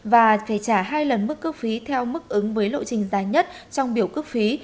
và phải trả hai lần mức cước phí theo mức ứng với lộ trình dài nhất trong biểu cước phí